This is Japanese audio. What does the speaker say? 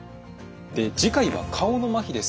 次回は顔のまひです。